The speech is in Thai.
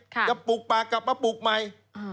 ปลูกป่ากลับมาปลูกใหม่